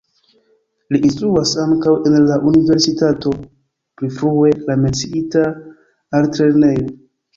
Li instruas ankaŭ en la universitato (pli frue la menciita altlernejo).